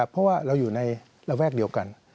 เพราะว่าเราอยู่ในระแวกเดียวกัน